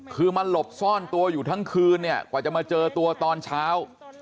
คือมาหลบซ่อนตัวอยู่ทั้งคืนเนี่ยกว่าจะมาเจอตัวตอนเช้า